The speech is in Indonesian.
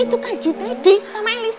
itu kan jun daddy sama elis